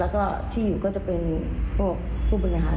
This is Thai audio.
แล้วก็ที่อยู่ก็จะเป็นผู้บรรยาหารด้วยกันอะไรอย่างนี้